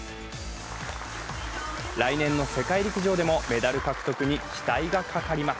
来年の世界陸上でもメダル獲得に期待がかかります。